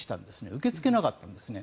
受け付けなかったんですね。